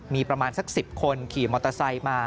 มีประมาณสัก๑๐คนขี่มอเตอร์ไซค์มา